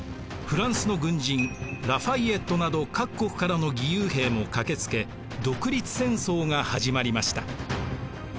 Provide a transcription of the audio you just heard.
フランスの軍人ラ・ファイエットなど各国からの義勇兵も駆けつけ独立戦争が始まりました。